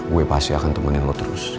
gue pasti akan temenin lo terus